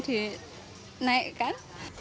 ya terpaksa nasinya dinaikkan